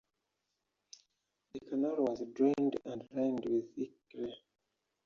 The canal was drained and lined with thick clay.